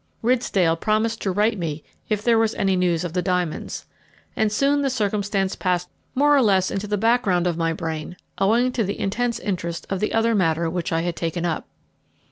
Ridsdale promised to write me if there was any news of the diamonds, and soon the circumstance passed more or less into the background of my brain, owing to the intense interest of the other matter which I had taken up.